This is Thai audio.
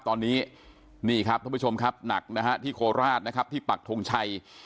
ตอนนี้นี่ครับท่านผู้ชมครับหนักนะฮะที่โคราชนะครับที่ปักทงชัย